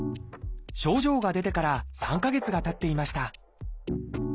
症状が出てから３か月がたっていました。